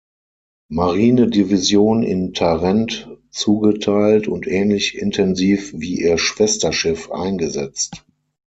Marinedivision in Tarent zugeteilt und ähnlich intensiv wie ihr Schwesterschiff eingesetzt.